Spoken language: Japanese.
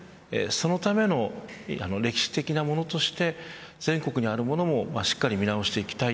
そのための歴史的なものとして全国にあるものもしっかり見直していきたい